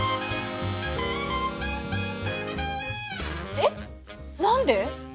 えっ何で！？